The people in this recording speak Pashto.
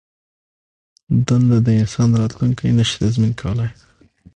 دنده د انسان راتلوونکی نه شي تضمین کولای.